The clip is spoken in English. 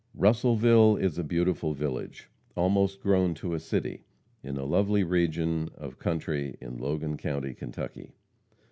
Russellville is a beautiful village almost grown to a city in a lovely region of country in Logan county, Kentucky.